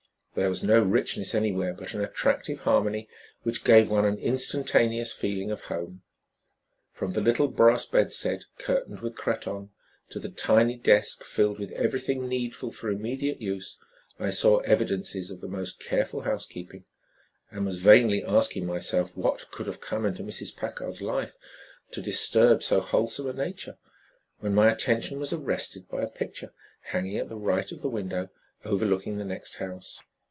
There was no richness anywhere, but an attractive harmony which gave one an instantaneous feeling of home. From the little brass bedstead curtained with cretonne, to the tiny desk filled with everything needful for immediate use, I saw evidences of the most careful housekeeping, and was vainly asking myself what could have come into Mrs. Packard's life to disturb so wholesome a nature, when my attention was arrested by a picture hanging at the right of the window overlooking the next house.